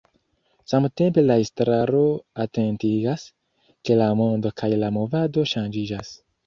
Samtempe la estraro atentigas, ke la mondo kaj la movado ŝanĝiĝas.